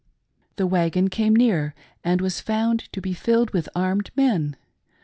The wagon came near, and was found to be filled with armed men.